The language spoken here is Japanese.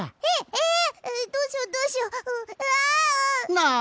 なあ！